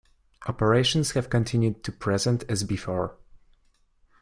Operations have continued to present as before.